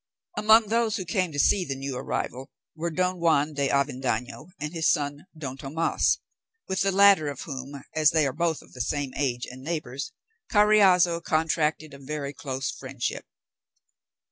Among those who came to see the new arrival were Don Juan de Avendaño and his son Don Tomas, with the latter of whom, as they were both of the same age and neighbours, Carriazo contracted a very close friendship.